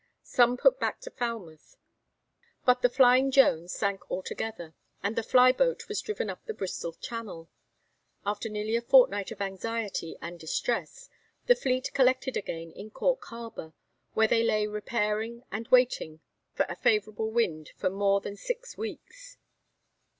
Some put back into Falmouth, but the 'Flying Joan' sank altogether, and the fly boat was driven up the Bristol Channel. After nearly a fortnight of anxiety and distress, the fleet collected again in Cork Harbour, where they lay repairing and waiting for a favourable wind for more than six weeks.